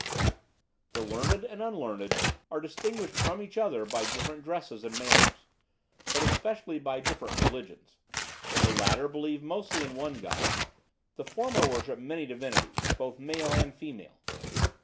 "The learned and unlearned are distinguished from each other by different dresses and manners; but especially by different religions: the latter believe mostly in one God; the former worship many divinities, both male and female.